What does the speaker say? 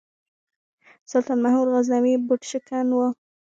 سلطان محمود غزنوي بُت شکن و.